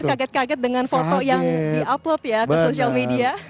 kaget kaget dengan foto yang di upload ya ke social media